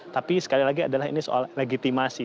tapi sekali lagi adalah ini soal legitimasi